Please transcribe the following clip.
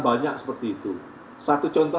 banyak seperti itu satu contoh